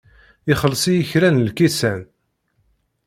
Ixelleṣ-iyi kra n lkisan.